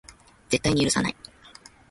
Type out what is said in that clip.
絶対に許さない